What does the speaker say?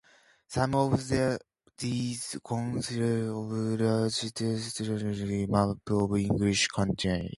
Some of these consisted of large tapestry maps of English counties.